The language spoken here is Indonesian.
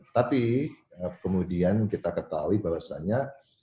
tapi kemudian kita ketahui bahwasannya